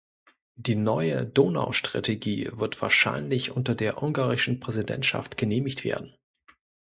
Die neue Donaustrategie wird wahrscheinlich unter der ungarischen Präsidentschaft genehmigt werden.